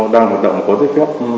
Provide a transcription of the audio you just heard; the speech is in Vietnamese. đang hoạt động có giấy phép